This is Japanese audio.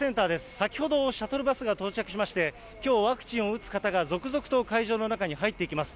先ほどシャトルバスが到着しまして、きょうワクチンを打つ方が続々と会場の中に入っていきます。